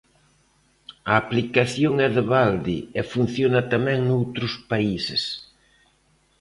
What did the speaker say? A aplicación é de balde e funciona tamén noutros países.